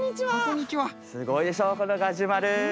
すごいでしょこのガジュマル。